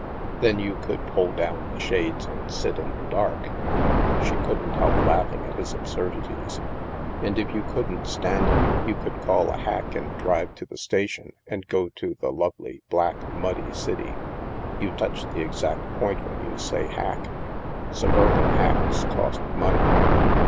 " Then you could pull down the shades and sit in the dark." She couldn't help laughing at his ab surdities. " And i f you couldn't stand it, you could call a hack and drive to the station and go to the lovely, black, muddy city." " You touch the exact point when you say hack. Suburban hacks cost money."